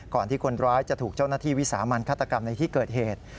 ที่คนร้ายจะถูกเจ้าหน้าที่วิสามันฆาตกรรมในที่เกิดเหตุ